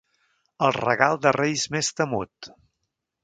El regal de Reis més temut.